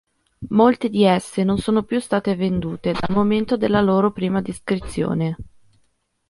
Molte di esse non sono più state vedute dal momento della loro prima descrizione.